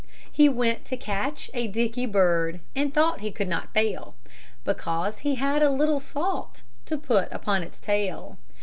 He went to catch a dicky bird, And thought he could not fail, Because he had a little salt, To put upon its tail.